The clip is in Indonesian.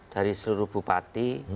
dari seluruh bupati